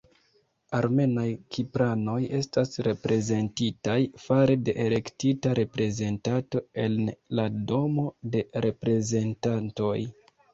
Armenaj-kipranoj estas reprezentitaj fare de elektita reprezentanto en la Domo de Reprezentantoj.